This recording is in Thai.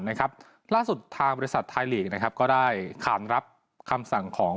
ล่าสุดทางบริษัทไทยลีกก็ได้ขานรับคำสั่งของ